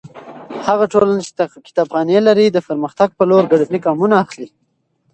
هغه ټولنه چې کتابخانې لري د پرمختګ په لور ګړندي ګامونه اخلي.